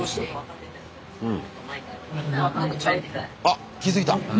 あっ気付いた！